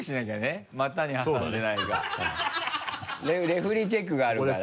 レフェリーチェックがあるから。